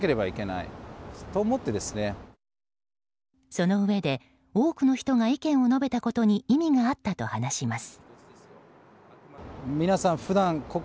そのうえで多くの人が意見を述べたことに意味があったと話します。